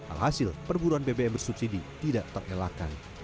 alhasil perburuan bbm bersubsidi tidak terelakkan